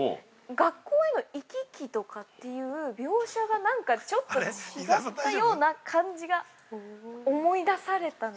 学校への行き来とかっていう描写が、なんかちょっと違ったような感じが思い出されたので。